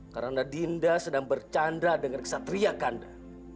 karena dinda sedang bercanda dengan ksatria kanda